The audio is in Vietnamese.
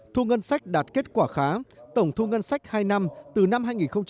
thu ngân sách đạt kết quả khá tổng thu ngân sách hai năm từ năm hai nghìn một mươi tám